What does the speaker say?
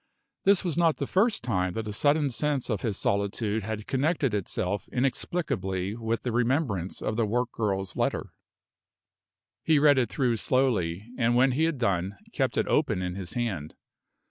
This was not the first time that a sudden sense of his solitude had connected itself inexplicably with the remembrance of the work girl's letter. He read it through slowly, and when he had done, kept it open in his hand.